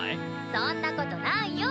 そんな事ないよ！